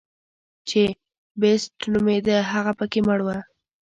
چې بېسټ نومېده هغه پکې مړ و.